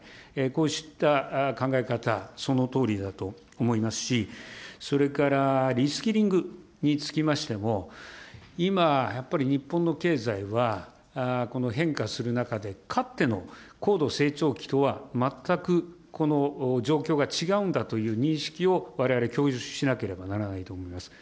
こうした考え方、そのとおりだと思いますし、それからリスキリングにつきましても、今、やっぱり日本の経済は、この変化する中で、かつての高度成長期とは全くこの状況が違うんだという認識を、われわれ享受しなければならないと思っております。